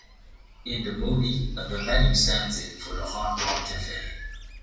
In the movie, the venue stands-in for the Hard Rock Café.